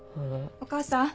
お母さん。